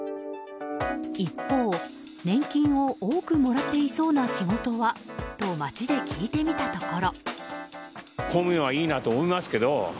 一方、年金を多くもらっていそうな仕事は？と街で聞いてみたところ。